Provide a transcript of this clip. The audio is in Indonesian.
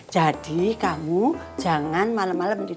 jadi kamu jangan malem malem tidurnya